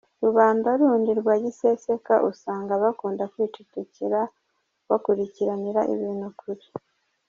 Rubanda rundi rwa giseseka usanga bakunda kwicecekera bakurikiranira ibintu kure.